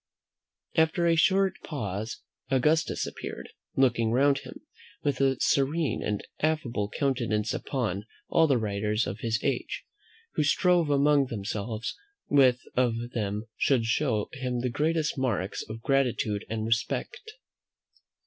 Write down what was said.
After a short pause Augustus appeared, looking round him, with a serene and affable countenance, upon all the writers of his age, who strove among themselves which of them should show him the greatest marks of gratitude and respect.